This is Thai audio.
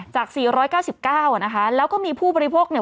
จาก๔๙๙อ่ะนะคะแล้วก็มีผู้บริโภคเนี่ย